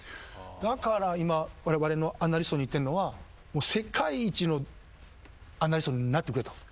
だから今われわれのアナリストに言ってんのは世界一のアナリストになってくれと。